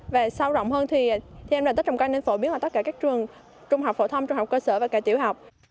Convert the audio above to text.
và sâu rộng hơn thì theo em là tết trồng cây nên phổ biến ở tất cả các trường trung học phổ thông trung học cơ sở và cả tiểu học